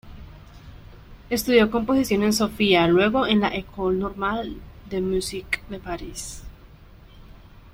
Estudió composición en Sofía, luego en la École Normale de Musique de París.